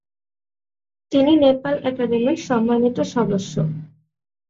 তিনি নেপাল একাডেমির সম্মানিত সদস্য।